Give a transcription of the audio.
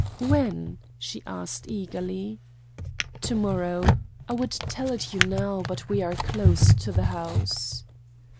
"When?" she asked eagerly. "To morrow. I would tell it you now, but we are close to the house."